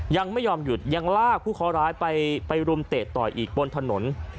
ยังไม่ยอมหยุดยังลากผู้เคาะร้ายไปรุมเตะต่อยอีกบนถนน